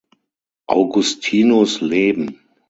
Augustinus leben.